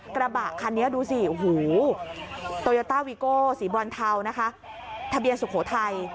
กระบะคันนี้ดูสิโตยต้าวิโก้สีบรอนเทาทะเบียงสุโขทัย